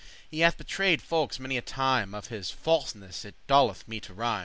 *knows He hath betrayed folkes many a time; Of his falseness it doleth* me to rhyme.